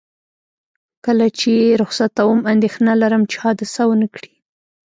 کله چې یې رخصتوم، اندېښنه لرم چې حادثه ونه کړي.